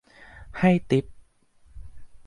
ให้ติ๊ป